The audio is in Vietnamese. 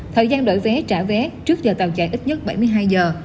thời gian đổi vé trả vé trước giờ tàu chạy ít nhất bảy mươi hai giờ